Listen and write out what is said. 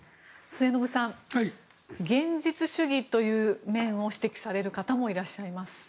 末延さん現実主義という面を指摘される方もいらっしゃいます。